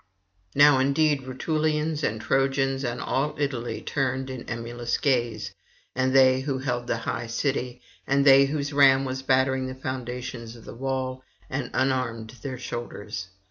Now indeed Rutulians and Trojans and all Italy turned in emulous gaze, and they who held the high city, and they whose ram was battering the foundations of the wall, and unarmed their shoulders.